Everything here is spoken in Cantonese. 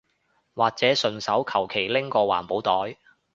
或者順手求其拎個環保袋